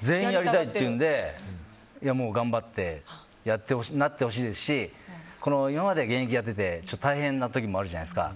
全員やりたいというので頑張ってやってほしいなと思いますし今まで現役やってて大変な時もあるじゃないですか。